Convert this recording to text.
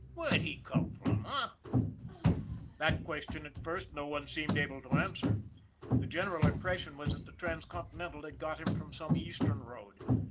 Where'd he come from, h'm?" That question, at first, no one seemed able to answer. The general impression was that the Transcontinental had got him from some Eastern road.